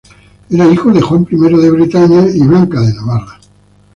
Era hijo de Juan I de Bretaña y Blanca de Navarra.